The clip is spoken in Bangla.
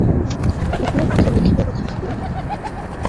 পুকুরে পাথর নিক্ষেপের কথা ভাবুন!